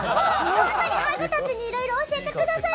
ハグたちにいろいろ教えてください。